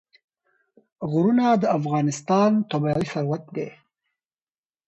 غرونه د افغانستان طبعي ثروت دی.